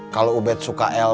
kalau ubed suka elvi